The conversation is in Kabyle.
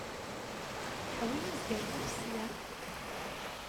Ḥwi izgaren-ik sya.